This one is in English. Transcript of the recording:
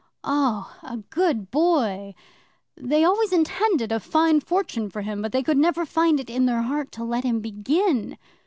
Oh, a good boy! They always intended a fine fortune for him but they could never find it in their heart to let him begin.